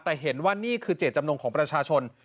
แต่เห็นว่านี่คือเจตจำนงของประชาชน